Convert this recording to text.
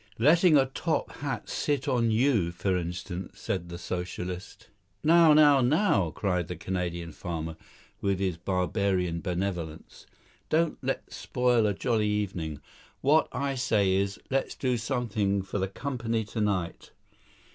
"Letting a top hat sit on you, for instance," said the Socialist. "Now, now, now," cried the Canadian farmer with his barbarian benevolence, "don't let's spoil a jolly evening. What I say is, let's do something for the company tonight.